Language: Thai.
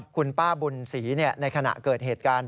คุณป้าบุญศรีในขณะเกิดเหตุการณ์